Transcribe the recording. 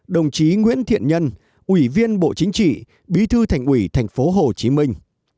một mươi sáu đồng chí nguyễn thiện nhân ủy viên bộ chính trị bộ trưởng bộ công an